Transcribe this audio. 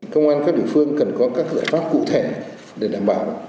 công an các địa phương cần có các giải pháp cụ thể để đảm bảo